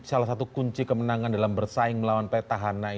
salah satu kunci kemenangan dalam bersaing melawan petahana